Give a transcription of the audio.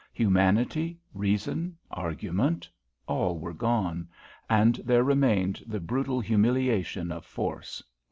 Humanity, reason, argument, all were gone, and there remained the brutal humiliation of force.